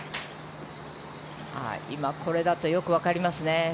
これだとよくわかりますね